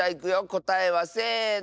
こたえはせの。